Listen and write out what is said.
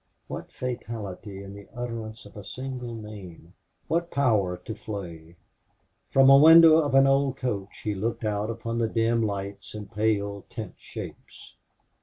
What fatality in the utterance of a single name what power to flay! From a window of an old coach he looked out upon the dim lights and pale tent shapes.